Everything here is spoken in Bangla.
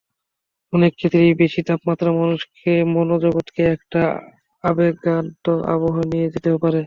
অনেক ক্ষেত্রেই বেশি তাপমাত্রা মানুষকে মনোজগতে একটা আবেগাক্রান্ত আবহে নিয়ে যেতে পারে।